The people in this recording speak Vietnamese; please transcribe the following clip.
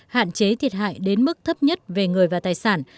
hạn chế thiệt hại đến mức thấp nhất về người và tài sản